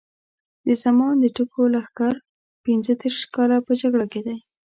د زمان د ټکو لښکر پینځه دېرش کاله په جګړه کې دی.